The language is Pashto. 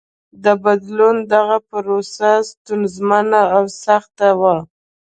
د بدلون دغه پروسه ستونزمنه او سخته وه.